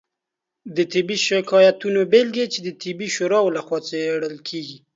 طبي شکایتونو بیلګې چې د طبي شورا لخوا څیړل کیږي